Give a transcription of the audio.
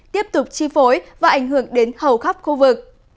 tiếp tục chi phối và ảnh hưởng đến hầu khắp khu vực